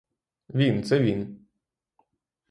Він, це — він.